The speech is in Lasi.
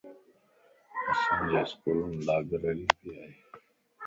اسان جي اسڪولم لائبريري ڀي ائي